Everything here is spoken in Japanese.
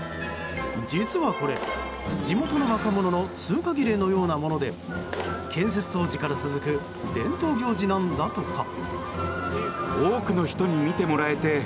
実はこれ、地元の若者の通過儀礼のようなもので建設当時から続く伝統行事なんだとか。